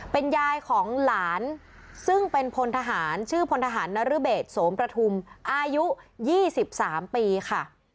เป็นยายของหลานซึ่งเป็นพลทหารชื่อพลทหารนรเบศโสมประทุมอายุ๒๓ปีค่ะ